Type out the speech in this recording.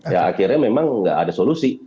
ya akhirnya memang nggak ada solusi